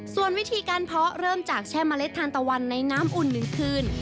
ส่วนวิธีการเพาะเริ่มจากแช่เมล็ดทานตะวันในน้ำอุ่น๑คืน